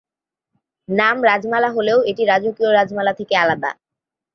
নাম রাজমালা হলেও এটি রাজকীয় রাজমালা থেকে আলাদা।